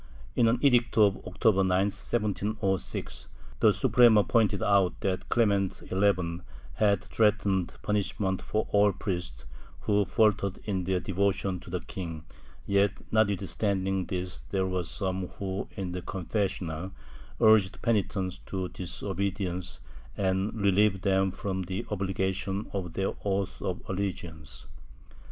In an edict of October 9, 1706, the Suprema pointed out that Clement XI had threatened punishment for all priests who faltered in their devotion to the king, yet not withstanding this there were some who in the confessional urged penitents to disobedience and relieved them from the obligation cf their oath of allegiance.